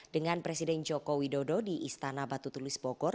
dengan presiden jokowi dodo di istana batu tulis bogor